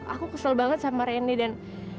aku kesel banget sama reni dan